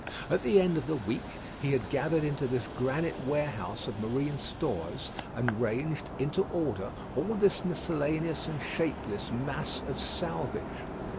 At the end of the week he had gathered into this granite warehouse of marine stores, and ranged into order, all this miscellaneous and shapeless mass of salvage.